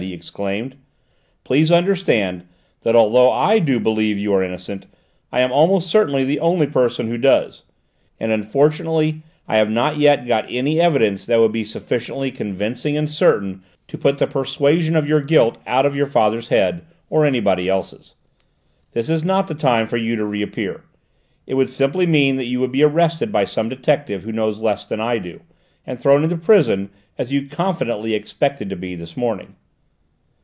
he exclaimed. "Please understand that although I do believe you are innocent, I am almost certainly the only person who does. And unfortunately I have not yet got any evidence that would be sufficiently convincing and certain to put the persuasion of your guilt out of your father's head, or anybody else's. This is not the time for you to reappear: it would simply mean that you would be arrested by some detective who knows less than I do, and thrown into prison as you confidently expected to be this morning."